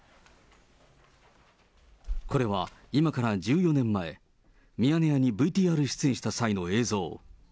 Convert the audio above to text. これは今から１４年前、ミヤネ屋にＶＴＲ出演した際の映像。